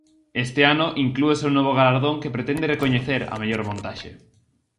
Este ano inclúese un novo galardón que pretende recoñecer a mellor montaxe.